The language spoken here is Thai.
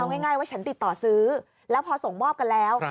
เอาง่ายว่าฉันติดต่อซื้อแล้วพอส่งมอบกันแล้ว